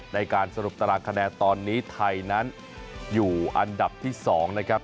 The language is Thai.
ในการสรุปตารางคะแนนตอนนี้ไทยนั้นอยู่อันดับที่๒นะครับ